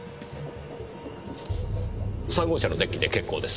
３号車のデッキで結構です。